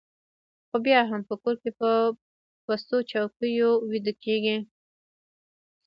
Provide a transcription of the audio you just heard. خو بیا هم په کور کې په پستو څوکیو ویده کېږي